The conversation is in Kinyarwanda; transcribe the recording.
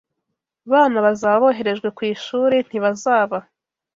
bana bazaba boherejwe ku ishuri, ntibazaba